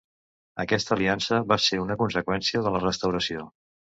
Aquesta Aliança va ser una conseqüència de la Restauració.